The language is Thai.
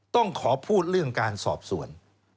ต้องขอพูดเรื่องการสอบสวน